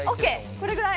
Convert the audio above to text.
これぐらい。